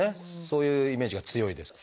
そういうイメージが強いです。